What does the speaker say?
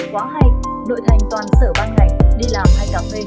quá hay nội thành toàn sở băng đảnh đi làm hay cà phê